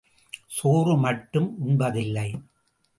சோறு மட்டும் உண்பதில்லை.